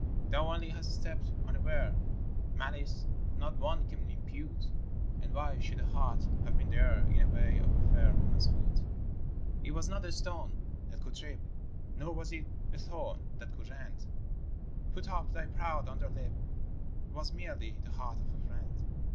Thou only hast stepped unaware, — Malice, not one can impute; And why should a heart have been there In the way of a fair woman's foot? hi. It was not a stone that could trip, Nor was it a thorn that could rend; Put up thy proud underlip ! 'T was merely the heart of a friend.